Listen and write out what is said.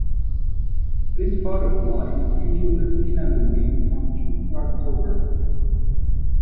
This butterfly is usually seen on the wing from June to October.